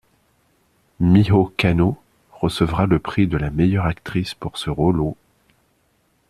Miho Kanno recevra le prix de la meilleure actrice pour ce rôle aux '.